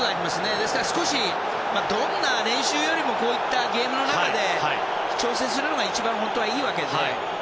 ですから、どんな練習よりもこういったゲームの中で調整するのが一番いいわけで。